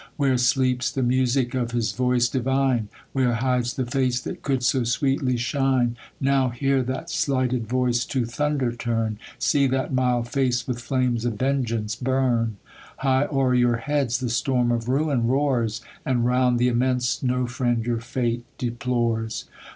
Where sleeps the music of his voice divine ? Where hides the face, that could so sweetly shine ? Now hear that slighted voice to thunder turn ! See that mild face with flames of vengeance burn ! High o'er your heads the storm of ruin roars, And, round th*' immense, no friend your fate deplores.